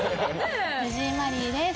藤井マリーです。